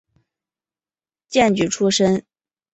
荐举出身。